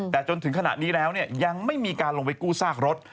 แต่จนถึงขณะนี้แล้วยังไม่มีการลงไปกู้ซากรถ